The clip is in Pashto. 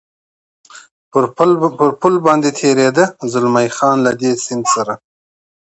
پر پل باندې تېرېده، زلمی خان: له دې سیند سره.